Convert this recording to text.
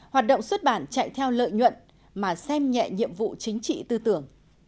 hoạt động xuất bản chạy theo lợi nhuận mà xem nhẹ nhiệm vụ chính trị tư tưởng